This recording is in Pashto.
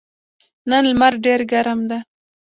نن لمر ډېر ګرم ده.